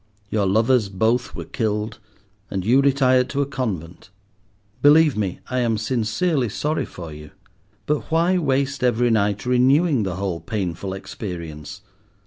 Your lovers both were killed, and you retired to a convent. Believe me, I am sincerely sorry for you, but why waste every night renewing the whole painful experience?